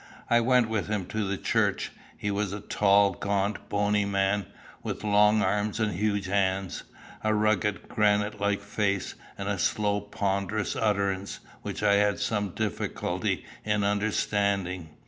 I went with him to the church. He was a tall, gaunt, bony man, with long arms and huge hands, a rugged granite like face, and a slow ponderous utterance, which I had some difficulty in understanding.